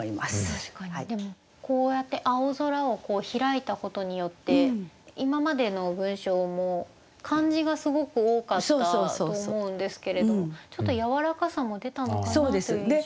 確かにでもこうやって青空をひらいたことによって今までの文章も漢字がすごく多かったと思うんですけれどちょっとやわらかさも出たのかなという印象を受けますね。